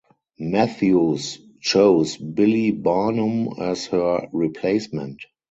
Matthews chose Billie Barnum as her replacement.